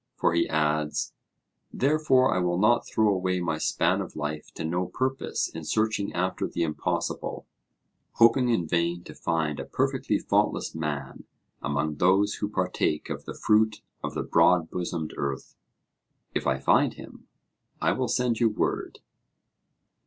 For he adds: 'Therefore I will not throw away my span of life to no purpose in searching after the impossible, hoping in vain to find a perfectly faultless man among those who partake of the fruit of the broad bosomed earth: if I find him, I will send you word.'